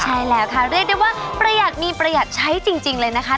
ใช่แล้วค่ะเรียกได้ว่าประหยัดมีประหยัดใช้จริงเลยนะคะ